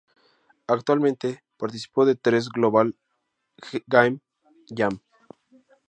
Actualmente participó de tres Global Game Jam.